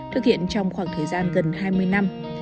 thực hiện trong khoảng thời gian gần hai mươi năm